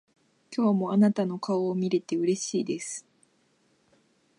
今日もあなたの顔を見れてうれしいです。